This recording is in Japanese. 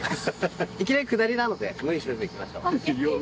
いきなり下りなので、無理せずに行きましょう。